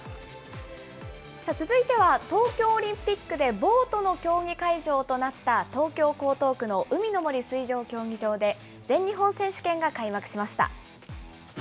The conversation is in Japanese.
続いては、東京オリンピックでボートの競技会場となった東京・江東区の海の森水上競技場で、全日本選手権が開幕しました。